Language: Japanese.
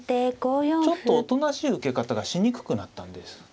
ちょっとおとなしい受け方がしにくくなったんです。